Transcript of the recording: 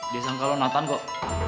biasa kalau natan kok